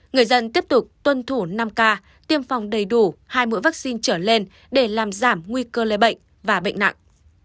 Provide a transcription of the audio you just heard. người dân tiếp tục tuân thủ năm k tiêm phòng đầy đủ hai mũi vaccine trở lên để làm giảm nguy cơ lây bệnh và bệnh nặng